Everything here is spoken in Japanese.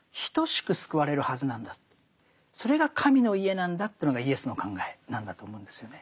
それが神の家なんだっていうのがイエスの考えなんだと思うんですよね。